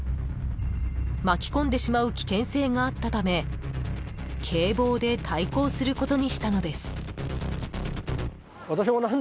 ［巻き込んでしまう危険性があったため警棒で対抗することにしたのです］